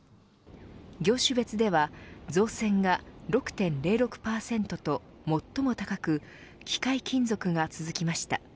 業種別では造船が６．０６％と最も高く機械金属が続きました。